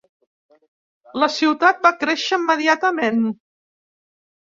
La ciutat va créixer immediatament.